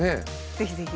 ぜひぜひ。